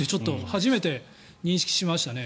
初めて認識しましたね。